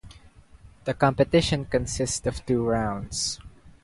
The competition consists of two rounds.